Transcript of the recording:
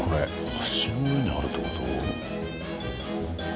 橋の上にあるって事？